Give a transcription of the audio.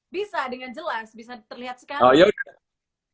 bisa dengan jelas bisa terlihat sekali